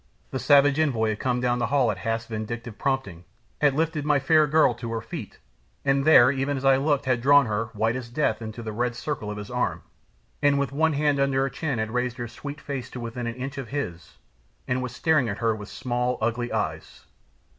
The savage envoy had come down the hall at Hath's vindictive prompting, had lifted my fair girl to her feet, and there, even as I looked, had drawn her, white as death, into the red circle of his arm, and with one hand under her chin had raised her sweet face to within an inch of his, and was staring at her with small, ugly eyes.